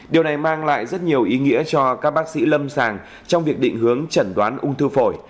điều này mang lại rất nhiều ý nghĩa cho các bác sĩ lâm sàng trong việc định hướng trần đoán ung thư phổi